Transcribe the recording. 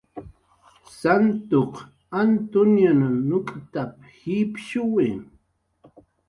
"Santuq Antun nuk'tap"" jipshuwi"